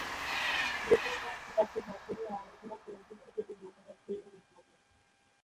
মৃত্যুর পর ব্যক্তির ভাগ্য নিয়ে আলোচনার পরিপ্রেক্ষিতে এই মতবাদটি এখানে ঘটে।